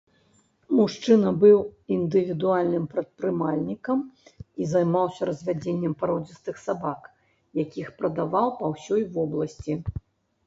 Мужчына быў індывідуальным прадпрымальнікам і займаўся развядзеннем пародзістых сабак, якіх прадаваў па ўсёй вобласці.